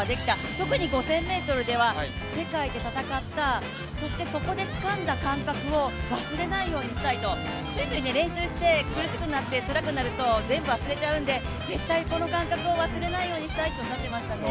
特に５０００ｍでは世界で戦ったそしてそこでつかんだ感覚を忘れないようにしたいとついつい練習して、苦しくなってつらくなると全部忘れちゃうんで、絶対この感覚を忘れないようにしたいとおっしゃっていましたね。